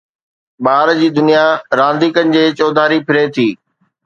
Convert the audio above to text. ٻار جي دنيا رانديڪن جي چوڌاري ڦري ٿي